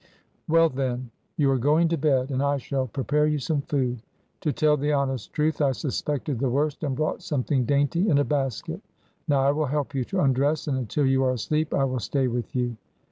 " Well, then ! You are going to bed. And I shall prepare you some food. To tell the honest truth, I sus pected the worst and brought something dainty in a bas ket Now I will help you to undress, and until you are asleep I will stay with you."